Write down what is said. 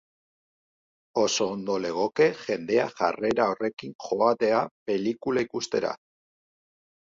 Oso ondo legoke jendea jarrera horrekin joatea pelikula ikustera.